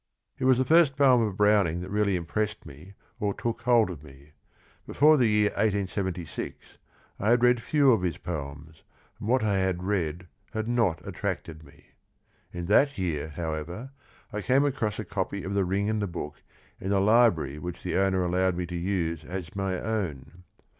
It was the first poem of Browning that really impressed me or took hold of me. Before the year 1876 I had read few of his poems, and what I had read had not attracted me. In that year, however, I came across a copy of The Ring and the Book in a library which the owner allowed me to use as my own.